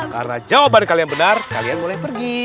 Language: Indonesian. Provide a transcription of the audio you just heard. karena jawaban kalian benar kalian boleh pergi